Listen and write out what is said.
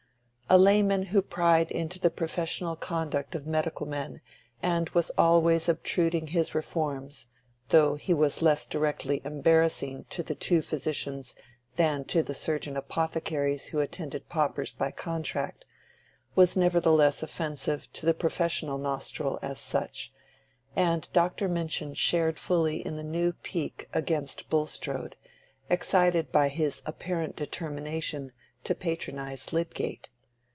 A layman who pried into the professional conduct of medical men, and was always obtruding his reforms,—though he was less directly embarrassing to the two physicians than to the surgeon apothecaries who attended paupers by contract, was nevertheless offensive to the professional nostril as such; and Dr. Minchin shared fully in the new pique against Bulstrode, excited by his apparent determination to patronize Lydgate.